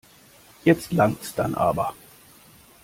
Jetzt langts dann aber.